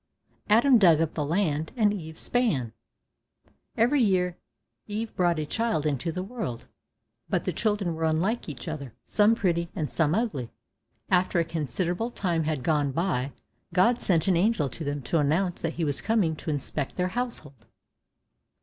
Adam dug up the land, and Eve span. Every year Eve brought a child into the world; but the children were unlike each other, some pretty, and some ugly. After a considerable time had gone by, God sent an angel to them, to announce that he was coming to inspect their household.